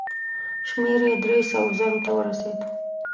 شمېر یې دریو سوو زرو ته ورسېد.